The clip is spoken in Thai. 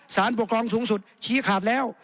สารปกครองสูงสุดชี้ขาดแล้ว